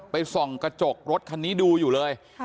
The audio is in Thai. ส่องกระจกรถคันนี้ดูอยู่เลย